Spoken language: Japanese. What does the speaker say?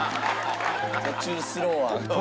途中スローあん。